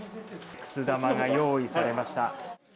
くす玉が用意されました。